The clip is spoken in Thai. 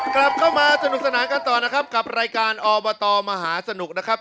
กลับเข้ามาสนุกสนานกันต่อนะครับกับรายการอบตมหาสนุกนะครับ